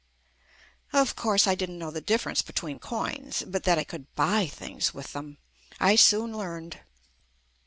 Of course, I didn't know the difference between coins, but that I could buy things with them I soon learned.